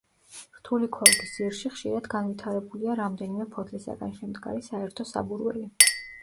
რთული ქოლგის ძირში ხშირად განვითარებულია რამდენიმე ფოთლისაგან შემდგარი საერთო საბურველი.